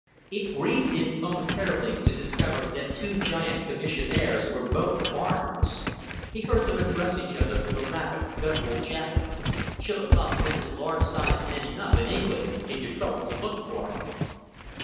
It grieved him momentarily to discover that two giant commissionnaires were both foreigners. He heard them address each other with a rapid guttural jabber. "Should 'a' thought there's large sized men enough in England, if you troubled to look for 'em."